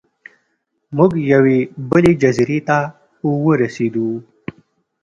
موږ یوې بلې جزیرې ته ورسیدو.